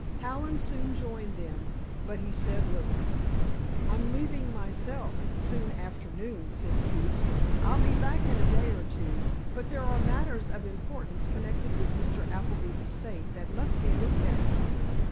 Hallen soon joined them, but he said little. "I'm leaving myself, soon after noon," said Keefe. "I'll be back in a day or two, but there are matters of importance connected with Mr. Appleby's estate that must be looked after."